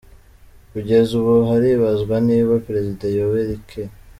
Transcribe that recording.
Kugeza ubu haribazwa niba Perezida Yoweri K.